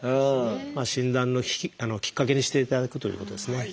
診断のきっかけにしていただくということですね。